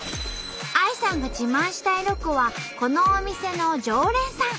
ＡＩさんが自慢したいロコはこのお店の常連さん！